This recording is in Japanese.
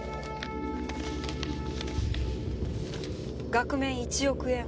額面１億円。